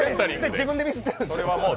自分でミスってるんでしょう？